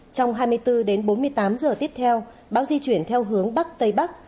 trong hai mươi bốn đến bốn mươi tám giờ tiếp theo bão di chuyển theo hướng bắc tây bắc